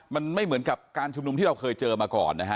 มันไม่เหมือนกับการชุมนุมที่เราเคยเจอมาก่อนนะฮะ